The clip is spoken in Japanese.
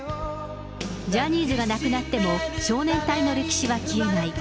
ジャニーズがなくなっても、少年隊の歴史は消えない。